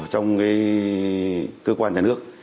trong cái cơ quan nhà nước